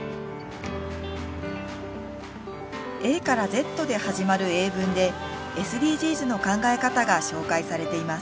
ＡからＺで始まる英文でＳＤＧｓの考え方が紹介されています。